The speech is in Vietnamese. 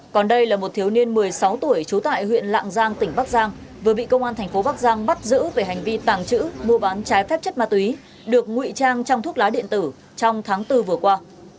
còn đây là một thiếu niên một mươi sáu tuổi trú tại huyện lạng giang tỉnh bắc giang vừa bị công an thành phố bắc giang bắt giữ về hành vi tàng trữ mua bán trái phép chất ma túy được ngụy trang trong thuốc lá điện tử trong tháng bốn vừa qua